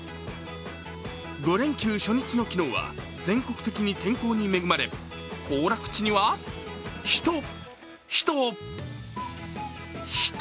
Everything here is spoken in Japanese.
５連休初日の昨日は、全国的に天候に恵まれ、行楽地には、人、人人！